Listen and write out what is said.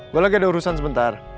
gue lagi ada urusan sebentar